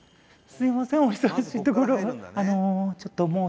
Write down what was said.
すいません。